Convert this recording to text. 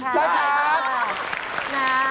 ครับค่ะนะ